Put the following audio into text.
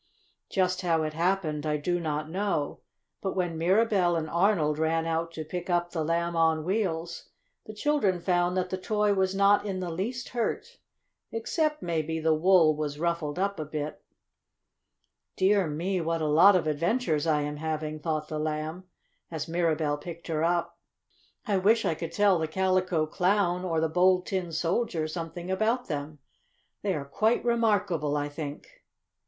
Just how it happened I do not know, but when Mirabell and Arnold ran out to pick up the Lamb on Wheels the children found that the toy was not in the least hurt, except, maybe, the wool was ruffled up a little. "Dear me, what a lot of adventures I am having!" thought the Lamb, as Mirabell picked her up. "I wish I could tell the Calico Clown or the Bold Tin Soldier something about them. They are quite remarkable, I think!"